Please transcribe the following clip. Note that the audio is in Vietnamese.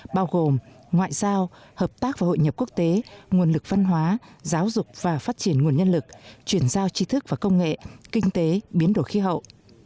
bao gồm ngoại giao hợp tác và hội nhập quốc tế nguồn lực văn hóa giáo dục và phát triển nguồn nhân lực chuyển giao tri thức và công nghệ kinh tế biến đổi khí hậu